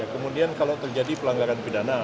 kemudian kalau terjadi pelanggaran pidana